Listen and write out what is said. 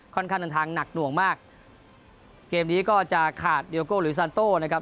ค่อนข้างเดินทางหนักหน่วงมากเกมนี้ก็จะขาดเดียโก้หรือซานโต้นะครับ